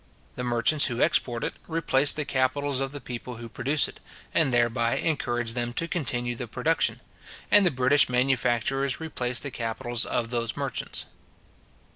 The merchants who export it, replace the capitals of the people who produce it, and thereby encourage them to continue the production; and the British manufacturers replace the capitals of those merchants.